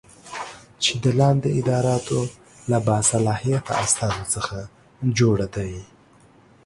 چې د لاندې اداراتو له باصلاحیته استازو څخه جوړه دی